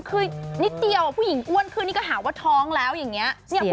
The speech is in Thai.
คือนิดเดียวผู้หญิงอ้วนขึ้นนี่ก็หาว่าท้องแล้วอย่างนี้